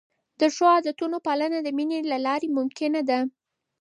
د ښو عادتونو پالنه د مینې له لارې ممکنه ده.